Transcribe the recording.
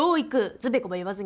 つべこべ言わずに。